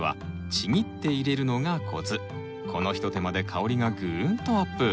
この一手間で香りがグーンとアップ！